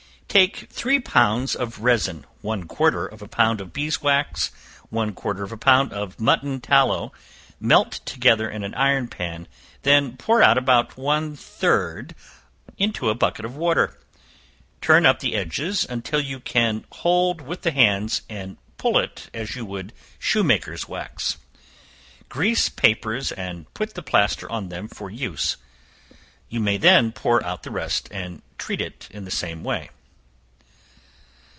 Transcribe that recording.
Take three pounds of resin, one quarter of a pound of beeswax, one quarter of a pound of mutton tallow, melt together in an iron pan; then pour out about one third into a bucket of water, turn up the edges until you can take hold with the hands and pull it as you would shoemakers' wax: grease papers and put the plaster on them for use; you may then pour out the rest and treat it in the same way.